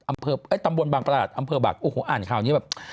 อำเภอตำบวนบางตลาดอำเภอบากก็อ่านคราวนี้แบบ